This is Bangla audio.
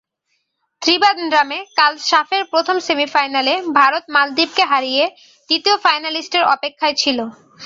ত্রিবান্দ্রামে কাল সাফের প্রথম সেমিফাইনালে ভারত মালদ্বীপকে হারিয়ে দ্বিতীয় ফাইনালিস্টের অপেক্ষায় ছিল।